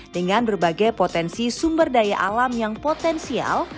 dengan berbagai potensi sumber daya alam yang potensial